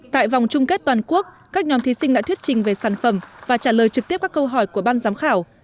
tại vòng chung kết toàn quốc các nhóm thí sinh đã thuyết trình về sản phẩm và trả lời trực tiếp các câu hỏi của ban giám khảo